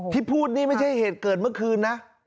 ที่พูดนี่ไม่ใช่เหตุเกิดเมื่อคืนนะ